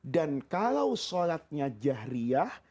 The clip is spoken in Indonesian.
dan kalau sholatnya jahriyah